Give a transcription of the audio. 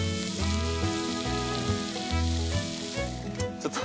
ちょっと。